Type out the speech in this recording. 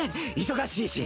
忙しいし。